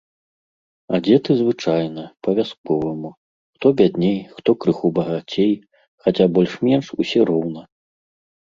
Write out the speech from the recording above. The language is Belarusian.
Адзеты звычайна, па-вясковаму, хто бядней, хто крыху багацей, хаця больш-менш усе роўна.